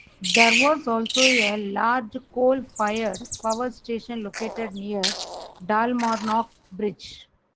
There was also a large coal-fired power station located near Dalmarnock Bridge.